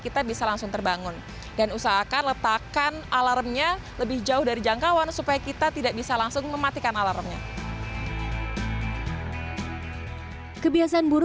kebiasaan buruk saat berpuasa dapat dibuaka waktu dua hingga sampai tiga jam